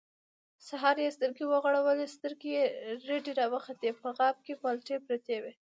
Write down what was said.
سهار يې سترګې ورغړولې، سترګې يې رډې راوختې، په غاب کې مالټې پرتې وې.